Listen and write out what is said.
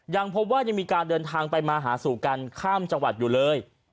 ยังพบว่ายังมีการเดินทางไปมาหาสู่กันข้ามจังหวัดอยู่เลย